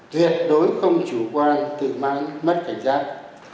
tuyệt đối không chủ quan tự mang mất cảnh giác